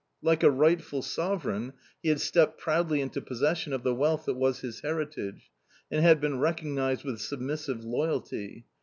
Like a rightful sovereign he had stepped proudly into possession of the wealth that was his heritage, and had been recognised with submissive loyalty.